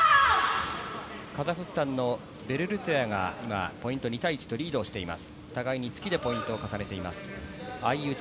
カザフスタンのベルルツェワが今、ポイント２対１とリードしています。